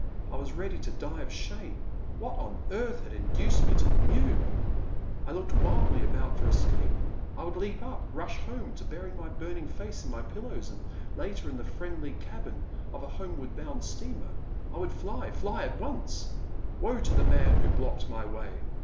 I was ready to die of shame. What on earth had induced me to mew ? I looked wildly about for escape — ^I would leap up — ^rush home to bury my burning face in my pillows, and later in the friendly cabin of a homeward bound steamer. I would fly — ^fly at once ! Woe to the man who blocked my way